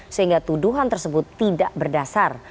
sehingga tuduhan tersebut tidak berdasar